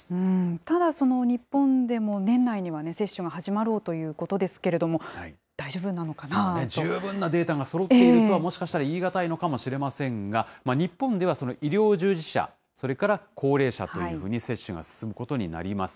ただ、日本でも年内には接種が始まろうということですけれども、大丈夫十分なデータがそろっているとは、もしかしたら言い難いのかもしれませんが、日本では医療従事者、それから高齢者というふうに接種が進むことになります。